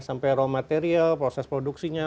sampai raw material proses produksinya